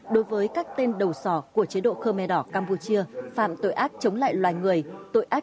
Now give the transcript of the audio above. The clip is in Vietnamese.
đối với các tên đầu sò của chế độ khmer đỏ campuchia phạm tội ác chống lại loài người tội ác